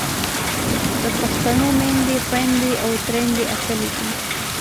د پښتنو میندې، خویندې او تریندې اتلې دي.